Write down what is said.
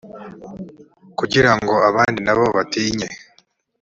kugira ngo abandi na bo batinye